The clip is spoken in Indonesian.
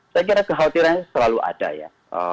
saya kira kekhawatiran selalu ada ya